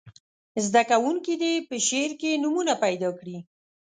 زده کوونکي دې په شعر کې نومونه پیداکړي.